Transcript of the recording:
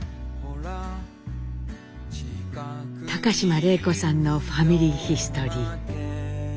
高島礼子さんの「ファミリーヒストリー」。